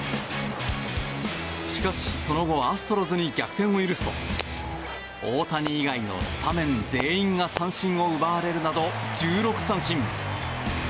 しかし、その後アストロズに逆転を許すと大谷以外のスタメン全員が三振を奪われるなど１６三振。